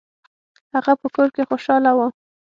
هغه په کور کې خوشحاله و.